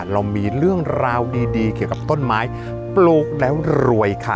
เรามีเรื่องราวดีเกี่ยวกับต้นไม้ปลูกแล้วรวยค่ะ